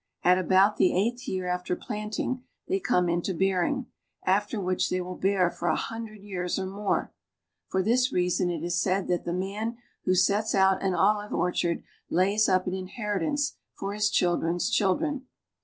At about the eighth year after planting they come into bearing, after which they will bear for a hundred years or more. For this reason it is said that the man who sets out an olive orchard lays up an inheritance for his children's children.